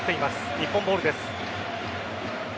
日本ボールです。